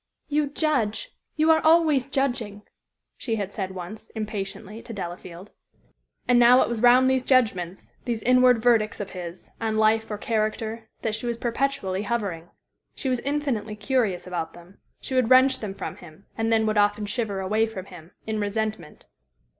"You judge you are always judging," she had said once, impatiently, to Delafield. And now it was round these judgments, these inward verdicts of his, on life or character, that she was perpetually hovering. She was infinitely curious about them. She would wrench them from him, and then would often shiver away from him in resentment.